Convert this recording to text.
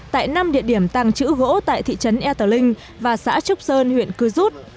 tại năm địa điểm tăng chữ gỗ tại thị trấn ea tư linh và xã trúc sơn huyện cư rút